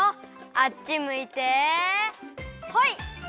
あっちむいてホイ！